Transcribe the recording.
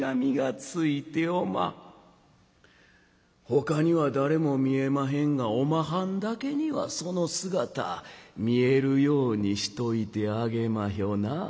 ほかには誰も見えまへんがおまはんだけにはその姿見えるようにしといてあげまひょなあ。